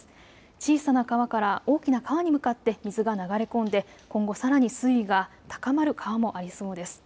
小さな川から大きな川に向かって水が流れ込んで今後、さらに水位が高まる川もありそうです。